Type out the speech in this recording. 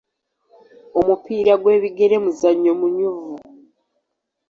Omupiira gw'ebigere muzannyo munyuvu.